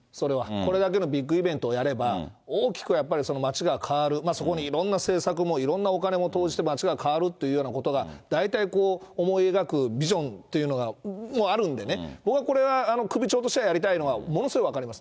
これだけのビッグイベントをやれば、大きくやっぱり街が変わる、そこにいろんな政策も、いろんなお金も投じて、街が変わるというようなことが、大体こう、思い描くビジョンというのもあるんでね、僕はこれ、首長としてはやりたいのは、ものすごい分かります。